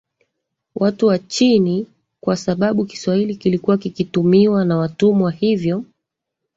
watu wa chini kwa sababu Kiswahili kilikuwa kikitumiwa na watumwa hivyo